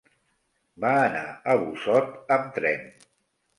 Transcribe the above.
Va anar a Busot amb tren.